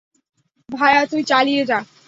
ভায়া, তুই চালিয়ে যা।